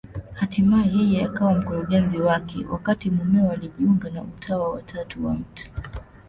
Hatimaye yeye akawa mkurugenzi wake, wakati mumewe alijiunga na Utawa wa Tatu wa Mt.